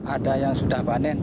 ada yang sudah panen